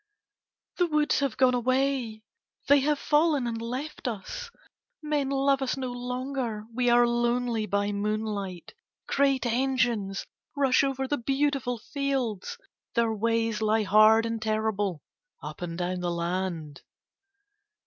"The woods have gone away, they have fallen and left us; men love us no longer, we are lonely by moonlight. Great engines rush over the beautiful fields, their ways lie hard and terrible up and down the land.